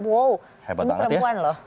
wow ini perempuan loh